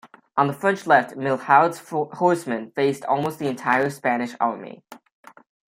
On the French left, Milhaud's horsemen faced almost the entire Spanish army.